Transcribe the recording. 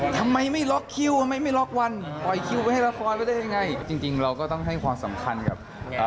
ทำไมไม่ล็อคคิวอะไรบ้างไม่ล็อควันไปจริงเราก็ต้องให้ความสำคัญกับ